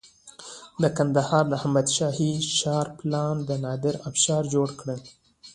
د کندهار د احمد شاهي ښار پلان د نادر افشار جوړ کړ